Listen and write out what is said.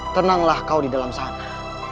tenanglah kau di dalam sana